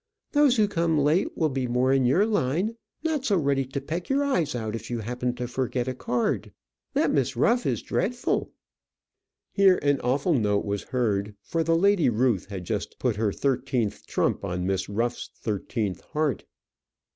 Those who come late will be more in your line; not so ready to peck your eyes out if you happen to forget a card. That Miss Ruff is dreadful." Here an awful note was heard, for the Lady Ruth had just put her thirteenth trump on Miss Ruff's thirteenth heart.